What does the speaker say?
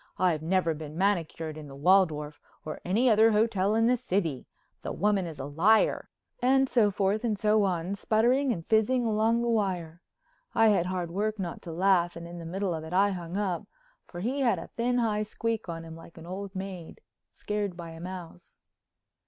I've never been manicured in the Waldorf—or any other hotel—in the city. The woman is a liar——" and so forth and so on, sputtering and fizzing along the wire. I had hard work not to laugh and in the middle of it I hung up, for he had a thin, high squeak on him like an old maid scared by a mouse.